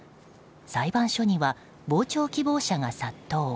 裁判所には傍聴希望者が殺到。